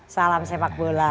salam sepak bola